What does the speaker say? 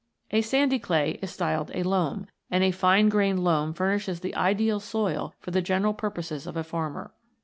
A sandy clay is styled a Loam, and a fine grained loam furnishes the ideal soil for the general purposes of a farmer.